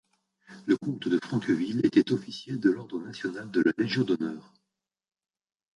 Le Comte de Franqueville était Officier de Ordre national de la Légion d'honneur.